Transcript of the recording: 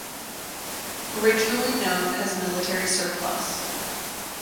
Originally known as 'Military Surplus'.